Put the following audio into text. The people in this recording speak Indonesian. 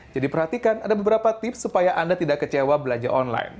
jadi perhatikan ada beberapa tips supaya anda tidak kecewa belanja online